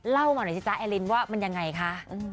มาหน่อยสิจ๊ะแอลินว่ามันยังไงคะ